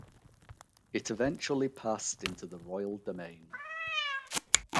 It eventually passed into the royal domain.